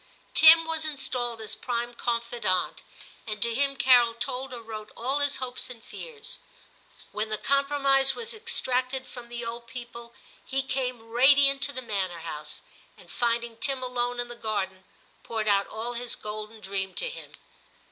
Tim was installed as prime confidant, and to him Carol told or wrote all his hopes and fears. When the compromise was extracted from the old people, he came radiant to the manor house, and finding Tim alone in the garden, poured out all his golden dream to him.